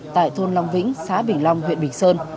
tại thôn long vĩnh xã bình long huyện bình sơn